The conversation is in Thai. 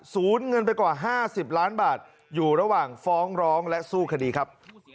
เงินไปกว่า๕๐ล้านบาทอยู่ระหว่างฟ้องร้องและสู้คดีครับ